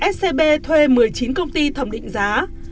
scb thuê một mươi chín công ty thẩm định giá